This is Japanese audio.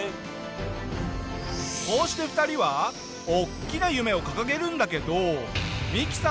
こうして２人は大きな夢を掲げるんだけどミキさんは